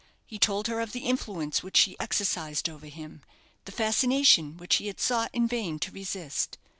He told her of the influence which she exercised over him, the fascination which he had sought in vain to resist.